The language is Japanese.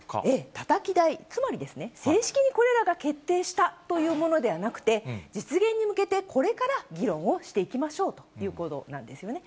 たたき台、つまり正式にこれらが決定したというものではなくて、実現に向けてこれから議論をしていきましょうということなんですよね。